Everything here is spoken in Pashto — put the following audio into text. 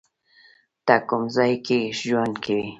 ته کوم ځای کې ژوند کوی؟